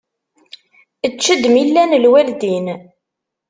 Ečč-d mi llan lwaldin.